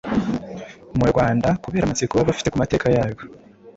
mu Rwanda kubera amatsiko baba bafite ku mateka yarwo: